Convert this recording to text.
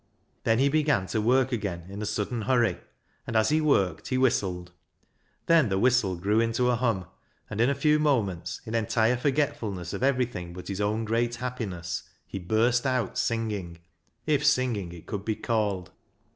Then he began to work again in a sudden hurry, and as he worked he whistled. Then the whistle grew into a hum, and in a few moments, in entire forgetfulness of everything but his own great happiness, he burst out singing — if sing ing it could be called.